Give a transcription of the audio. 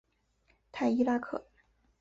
泰伊拉克。